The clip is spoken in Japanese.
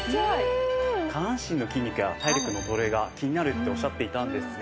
下半身の筋肉や体力の衰えが気になるっておっしゃっていたんですが。